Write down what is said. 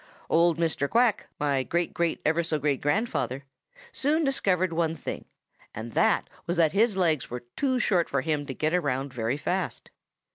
"Old Mr. Quack, my great great ever so great grandfather, soon discovered one thing, and that was that his legs were too short for him to get around very fast.